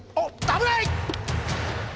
危ない！